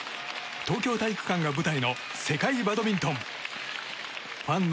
東京体育館が舞台の世界バドミントン。